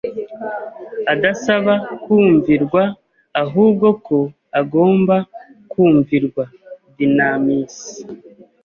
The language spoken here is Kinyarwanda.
adasaba kumvirwa ahubwo ko agomba kumvirwa(Dynamis)